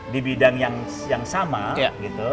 di bidang yang sama gitu